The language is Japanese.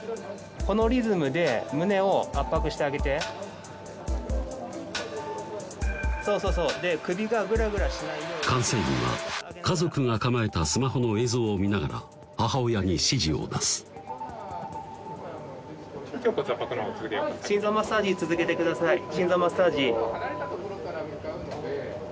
このリズムで胸を圧迫してあげてそうそうそうで首がグラグラしないように管制員は家族が構えたスマホの映像を見ながら母親に指示を出す心臓マッサージ続けてください心臓マッサージ